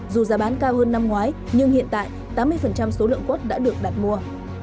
dù giá bán cao hơn năm ngoái nhưng hiện tại tám mươi số lượng quất đã được đặt mua